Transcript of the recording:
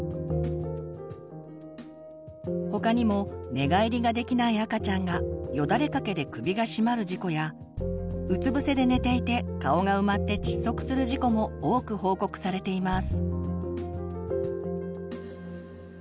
他にも寝返りができない赤ちゃんがよだれかけで首がしまる事故やうつ伏せで寝ていて顔が埋まって窒息する事故も多く報告されています。